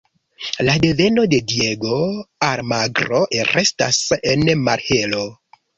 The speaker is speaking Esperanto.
La deveno de Diego Almagro restas en malhelo.